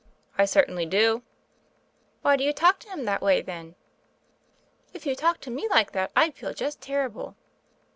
"I certainly do." "Why do you talk to him that way, then? If you talked to me like that I'd feel just terrible."